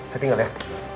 saya tinggal ya